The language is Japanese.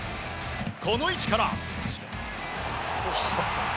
この位置から！